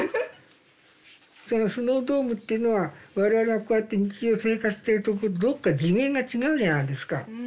そのスノードームっていうのは我々がこうやって日常生活しているところとどっか次元が違うじゃないですか。